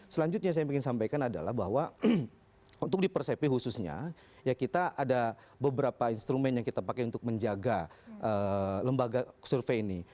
selanjutnya saya ingin sampaikan adalah bahwa untuk di persepi khususnya ya kita ada beberapa instrumen yang kita pakai untuk menjaga lembaga survei ini